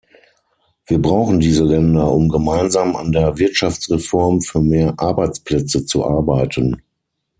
Wir brauchen diese Länder, um gemeinsam an der Wirtschaftsreform für mehr Arbeitsplätze zu arbeiten.